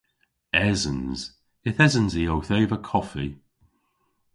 Esens. Yth esens i owth eva koffi.